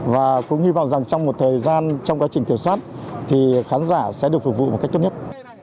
và cũng hy vọng rằng trong một thời gian trong quá trình kiểm soát thì khán giả sẽ được phục vụ một cách tốt nhất